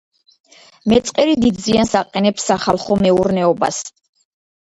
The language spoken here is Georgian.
მეწყერი დიდ ზიანს აყენებს სახალხო მეურნეობას.